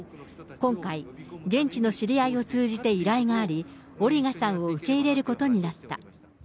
今回、現地の知り合いを通じて依頼があり、オリガさんを受け入れることになった。